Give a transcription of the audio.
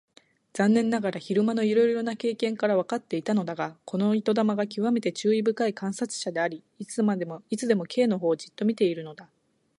残念ながら昼間のいろいろな経験からわかっていたのだが、この糸玉がきわめて注意深い観察者であり、いつでも Ｋ のほうをじっと見ているのだ。